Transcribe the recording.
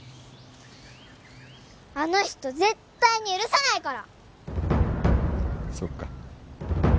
あの人絶対に許さないから！